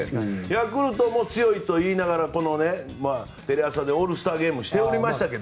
ヤクルトも強いと言いながらこのテレ朝でオールスターゲームしておりましたが。